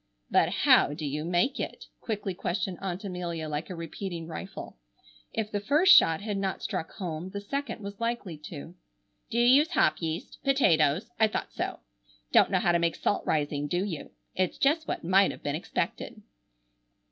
"But how do you make it?" quickly questioned Aunt Amelia, like a repeating rifle. If the first shot had not struck home, the second was likely to. "Do you use hop yeast? Potatoes? I thought so. Don't know how to make salt rising, do you? It's just what might have been expected."